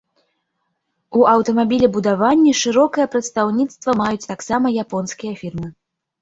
У аўтамабілебудаванні шырокае прадстаўніцтва маюць таксама японскія фірмы.